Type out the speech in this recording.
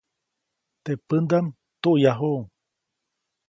Teʼ pändaʼm tuʼyajuʼuŋ.